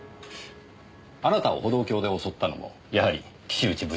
あなたを歩道橋で襲ったのもやはり岸内部長の部下でした。